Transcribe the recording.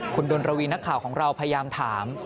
คุณดนระวีนักข่าวของเราพยายามถาม